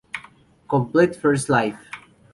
Complete First Live